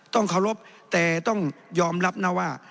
ต้องเคารพแต่ต้องยอมรับนะว่า